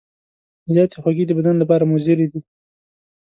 زیاتې خوږې د بدن لپاره مضرې دي.